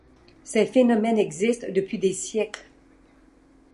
Ces phénomènes existent depuis des siècles.